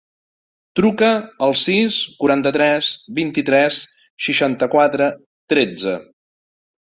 Truca al sis, quaranta-tres, vint-i-tres, seixanta-quatre, tretze.